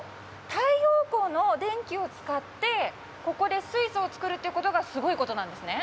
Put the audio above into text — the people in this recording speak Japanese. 太陽光の電気を使ってここで水素を作るってことがすごいことなんですね？